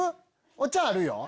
お茶あるよ？